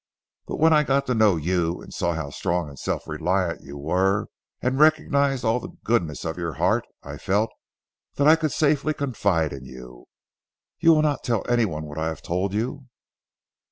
But when I got to know you and saw how strong and self reliant you were, and recognised also the goodness of your heart I felt that I could safely confide in you, You will not tell anyone what I have told you?"